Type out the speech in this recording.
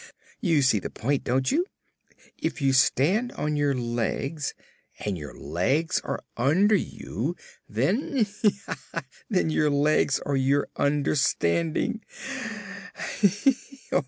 You see the point, don't you? If you stand on your legs, and your legs are under you, then ha, ha, ha! then your legs are your under standing.